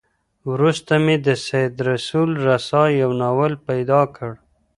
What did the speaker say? وروسته مي د سيد رسول رسا يو ناول پيدا کړ.